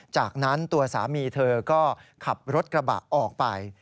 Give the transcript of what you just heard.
จากนั้นตัวสามีเธอก็ขับรถกระบะออกไป